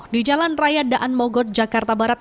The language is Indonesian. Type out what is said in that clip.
di jalan raya daan mogot jakarta barat